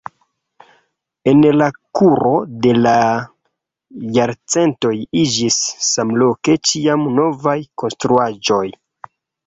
En la kuro de la jarcentoj iĝis samloke ĉiam novaj konstruaĵoj.